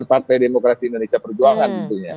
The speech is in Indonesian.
partai demokrasi indonesia perjuangan